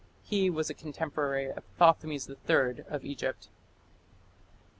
He was a contemporary of Thothmes III of Egypt.